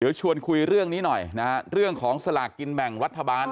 เดี๋ยวชวนคุยเรื่องนี้หน่อยนะฮะเรื่องของสลากกินแบ่งรัฐบาล